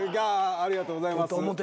ありがとうございます。